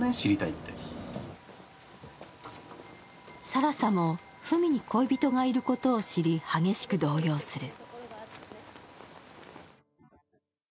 更紗も文に恋人がいることを知り激しく動揺する。